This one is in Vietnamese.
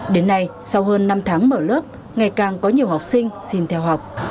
đến nay sau hơn năm tháng mở lớp ngày càng có nhiều học sinh xin theo học